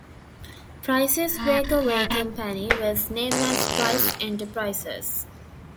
Price's breakaway company was named as Price Enterprises.